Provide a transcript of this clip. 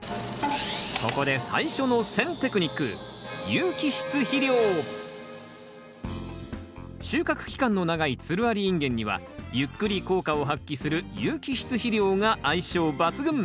ここで最初の選テクニック収穫期間の長いつるありインゲンにはゆっくり効果を発揮する有機質肥料が相性抜群！